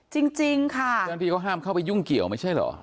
จริงค่ะเจ้าหน้าที่เขาห้ามเข้าไปยุ่งเกี่ยวไม่ใช่เหรอ